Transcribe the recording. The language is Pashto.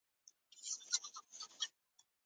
همدا اوس دا ډول خبرې په هېواد کې پراخیږي